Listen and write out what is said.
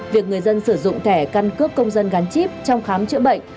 việc người dân sử dụng thẻ căn cước công dân gắn chip trong khám chữa bệnh